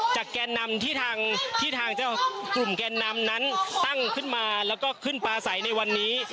จากแกนำที่ทางกลุ่มแกนำนั้นตั้งขึ้นมาและก็ขึ้นปลาใสในวันนี้